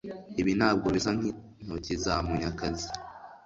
Ibi ntabwo bisa nkintoki za Munyakazi